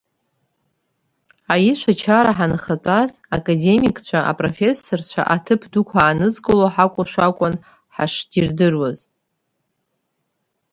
Аишәачара ҳанахатәаз, академикцәа, апрофессорцәа, аҭыԥ дуқәа аанызкыло ҳакәушәа акәын ҳашдирдыруаз.